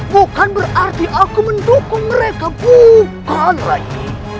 bukan berarti aku mendukung mereka bukan lagi